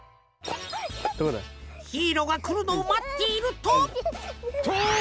ヒーローがくるのをまっているととう！